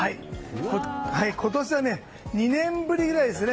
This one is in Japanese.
今年は２年ぶりぐらいですね。